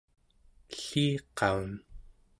elliqaun